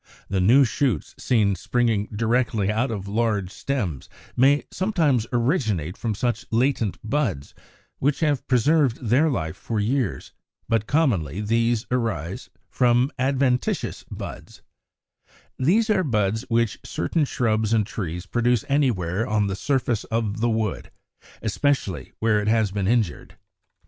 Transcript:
The new shoots seen springing directly out of large stems may sometimes originate from such latent buds, which have preserved their life for years. But commonly these arise from 58. =Adventitious Buds.= These are buds which certain shrubs and trees produce anywhere on the surface of the wood, especially where it has been injured.